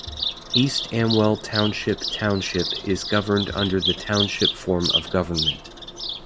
East Amwell Township Township is governed under the Township form of government.